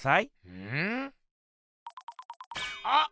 うん？あっ！